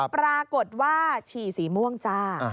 ปรากฏว่าฉี่สีม่วงจ้า